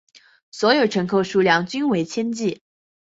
所有乘客数量均以千计。